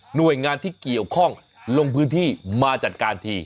หน่วยงานที่เกี่ยวข้องลงพื้นที่มาจัดการที